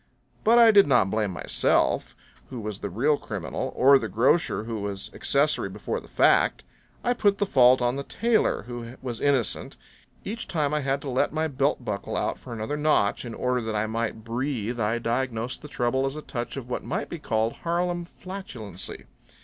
But I did not blame myself, who was the real criminal, or the grocer who was accessory before the fact. I put the fault on the tailor, who was innocent. Each time I had to let my belt buckle out for another notch in order that I might breathe I diagnosed the trouble as a touch of what might be called Harlem flatulency.